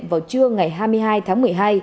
vào trưa ngày hai mươi hai tháng một mươi hai